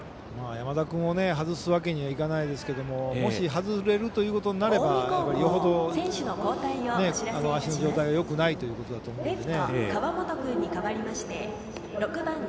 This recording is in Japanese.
山田君を外すわけにはいかないですけどももし外れることになるのであればよほど、足の状態がよくないということだと思いますので。